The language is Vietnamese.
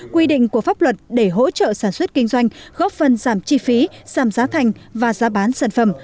quy định của pháp luật để hỗ trợ sản xuất kinh doanh góp phần giảm chi phí giảm giá thành và giá bán sản phẩm